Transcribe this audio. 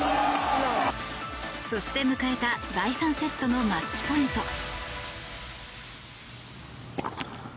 そして、迎えた第３セットのマッチポイント。